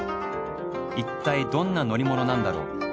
いったいどんな乗り物なんだろう？